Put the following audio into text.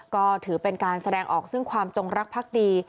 ก็ถือเป็นการแสดงออกซึ่งความจงรักภักดี